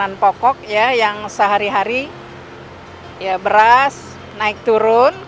bahan pokok ya yang sehari hari beras naik turun